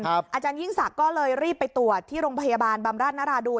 อาจารยิ่งศักดิ์ก็เลยรีบไปตรวจที่โรงพยาบาลบำราชนราดูน